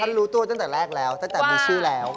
รู้ตัวตั้งแต่แรกแล้วตั้งแต่มีชื่อแล้ว